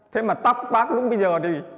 thế mà tóc bác lúc bây giờ thì